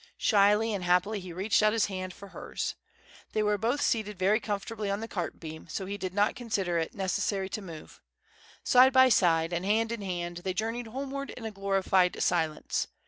Shyly and happily he reached out his hand for hers. They were both seated very comfortably on the cart beam, so he did not consider it necessary to move. Side by side, and hand in hand, they journeyed homeward in a glorified silence.